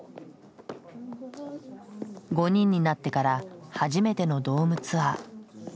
５人になってから初めてのドームツアー。